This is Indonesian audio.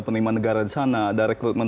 penerimaan negara di sana ada rekrutmen